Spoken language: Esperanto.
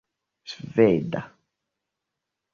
sveda